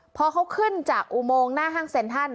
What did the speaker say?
พอเขาขึ้นจากอุโมงหน้าห้างเซ็นทัน